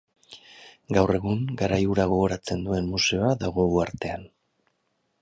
Gaur egun, garai hura gogoratzen duen museoa dago uhartean.